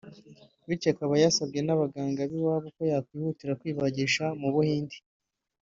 bityo akaba yasabwe n’abaganga b’iwabo ko yakwihutira kwibagisha mu Buhinde